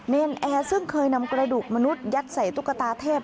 เนรนแอร์ซึ่งเคยนำกระดูกมนุษย์ยัดใส่ตุ๊กตาเทพ